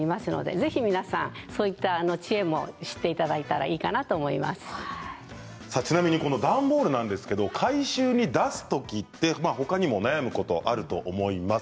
ぜひ皆さんそういった知恵を知っていただいたらいいかなとちなみに段ボールなんですが回収に出すときにほかにも悩むことがあると思います。